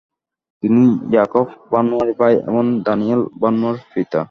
তিনি ইয়াকপ বার্নুয়ির ভাই এবং দানিয়েল বার্নুয়ির পিতা।